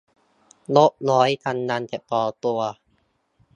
นกน้อยทำรังแต่พอตัว